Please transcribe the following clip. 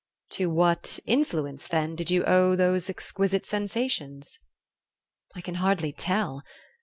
"To what influence, then, did you owe those exquisite sensations?" "I can hardly tell.